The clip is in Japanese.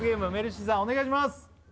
お願いします